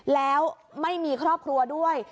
แล้วไม่มีครอบครัวด้วย